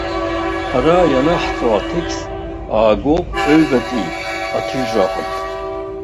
Ара ианаҳҵо атекст аагоуп аҩбатәи аҭыжьра аҟнытә.